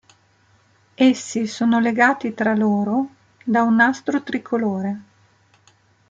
Essi sono legati tra loro da un nastro tricolore.